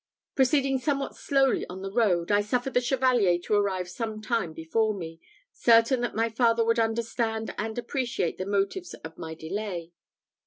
Proceeding somewhat slowly on the road, I suffered the Chevalier to arrive some time before me, certain that my father would understand and appreciate the motives of my delay.